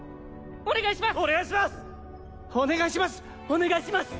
お願いします！